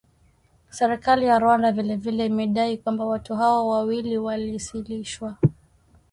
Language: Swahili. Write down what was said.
Serikali ya Rwanda vile vile imedai kwamba watu hao wawili waliasilishwa